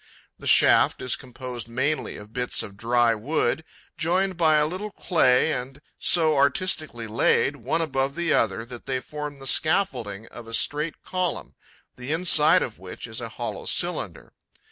The shaft is composed mainly of bits of dry wood joined by a little clay and so artistically laid, one above the other, that they form the scaffolding of a straight column, the inside of which is a hollow cylinder.